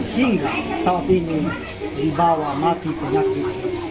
hingga saat ini dibawa mati penyakit